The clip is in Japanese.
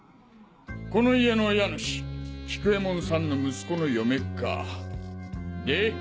この家の家主菊右衛門さんの息子の嫁か。